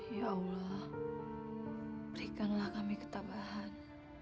ya allah berikanlah kami ketabahan